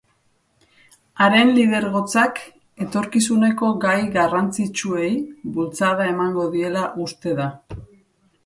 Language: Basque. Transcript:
Haren lidergotzak etorkizuneko gai garrantzitsuei bultzada emango diela uste da.